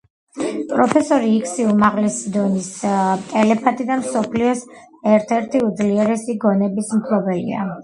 პროფესორი იქსი უმაღლესი დონის ტელეპათი და მსოფლიოს ერთ-ერთი უძლიერესი გონების მფლობელია.